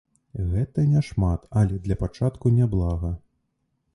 Гэта няшмат, але для пачатку няблага.